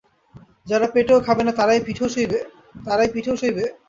যারা পেটেও খাবে না তারাই পিঠেও সইবে?